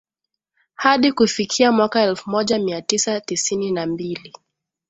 hadi kufikia mwaka elfu moja mia tisa tisini na mbili